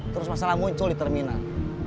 terus masalah muncul di terminal